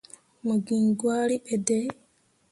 Mo giŋ gwari ɓe dai.